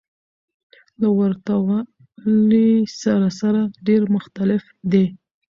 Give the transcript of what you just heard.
له ورته والي سره سره ډېر مختلف دى.